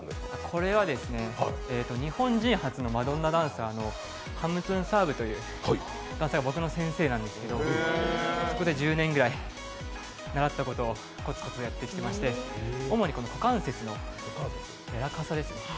これは日本人初のマドンナダンサーの方、はむつんサーブという、ダンサーが僕の先生なんですけれども、そこで１０年ぐらい習ったことをコツコツやってきたんですけど主に股関節の柔らかさですね